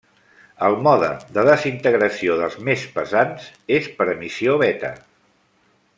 El mode de desintegració dels més pesants és per emissió beta.